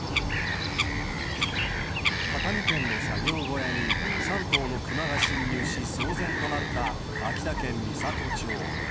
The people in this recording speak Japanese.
畳店の作業小屋に３頭のクマが侵入し騒然となった、秋田県三郷町。